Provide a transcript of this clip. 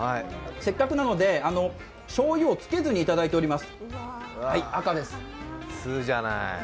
せっかくなのでしょうゆをつけずにいただいております。